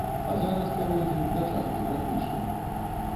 А зараз пяройдзем да часткі практычнай.